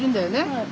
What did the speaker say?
はい。